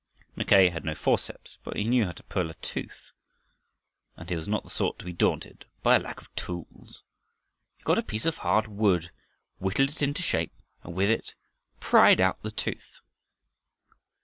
Mackay had no forceps, but he knew how to pull a tooth, and he was not the sort to be daunted by the lack of tools. He got a piece of hard wood, whittled it into shape and with it pried out the tooth.